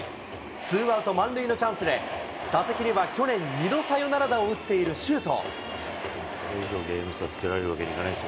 ツーアウト満塁のチャンスで、打席には去年、２度サヨナラ打を打っている周東。